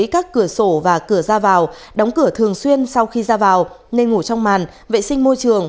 các cửa sổ và cửa ra vào đóng cửa thường xuyên sau khi ra vào nên ngủ trong màn vệ sinh môi trường